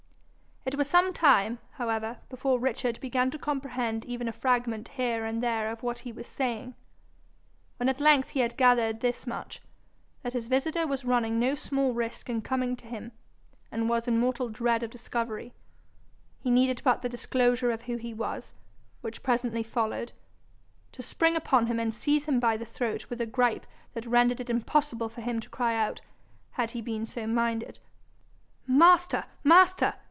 It was some time, however, before Richard began to comprehend even a fragment here and there of what he was saying. When at length he had gathered this much, that his visitor was running no small risk in coming to him, and was in mortal dread of discovery, he needed but the disclosure of who he was, which presently followed, to spring upon him and seize him by the throat with a gripe that rendered it impossible for him to cry out, had he been so minded. 'Master, master!'